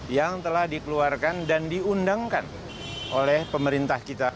yang telah dikeluarkan dan diundangkan oleh pemerintah kita